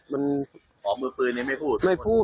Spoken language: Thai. อ๋อมือพื้นนี้ไม่พูด